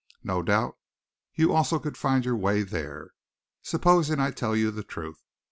No doubt you also could find your way there. Supposing I tell you the truth.